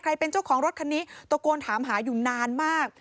เป็นเจ้าของรถคันนี้ตะโกนถามหาอยู่นานมาก